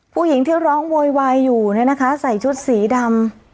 ผู้หญิงที่ร้องโวยวายอยู่เนี่ยนะคะใส่ชุดสีดำ